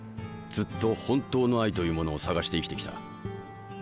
ずっと本当の愛というものを探して生きてきた。